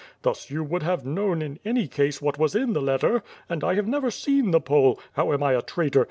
Thus you would have known, in any case, what was in the letter. And T have never seen the Pole — ^how am I a traitor?